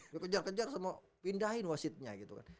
dikejar kejar semua pindahin wasitnya gitu kan